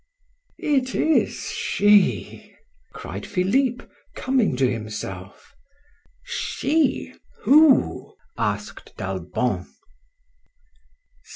"It is she!" cried Philip, coming to himself. "She? who?" asked d'Albon.